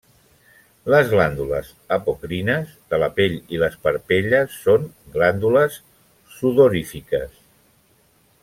Les glàndules apocrines de la pell i les parpelles són glàndules sudorífiques.